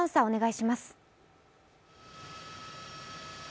お願いします。